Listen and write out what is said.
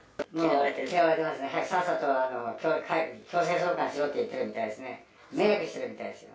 嫌われてますね、さっさと強制送還しろって言ってるみたいですね。